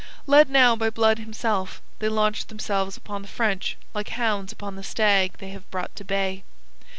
Led now by Blood himself, they launched themselves upon the French like hounds upon the stag they have brought to bay.